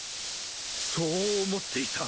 そう思っていた。